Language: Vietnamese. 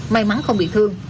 may mắn không bị thương